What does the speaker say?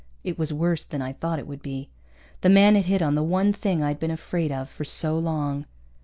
It was worse than I thought it would be. The man had hit on the one thing I'd been afraid of for so long.